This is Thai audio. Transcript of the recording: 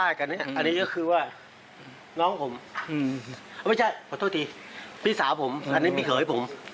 อันนี้ก็คือว่าน้องผมไม่ใช่ขอโทษทีพี่สาวผมอันนี้พี่เขยผม